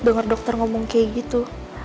dengar dokter ngomong kayak gitu